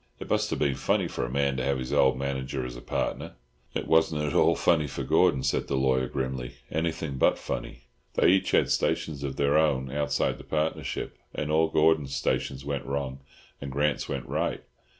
"It must have been funny for a man to have his old manager as a partner!" "It wasn't at all funny for Gordon," said the lawyer, grimly. "Anything but funny. They each had stations of their own outside the partnership, and all Gordon's stations went wrong, and Grant's went right.